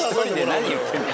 何言ってんの。